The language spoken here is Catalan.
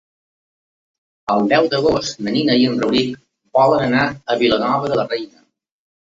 El deu d'agost na Nina i en Rauric volen anar a Vilanova de la Reina.